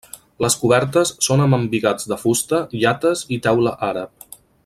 Les cobertes són amb embigats de fusta, llates i teula àrab.